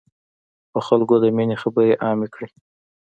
په خلکو د ميني خبري عامي کړی.